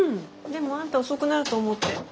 でもあんた遅くなると思って。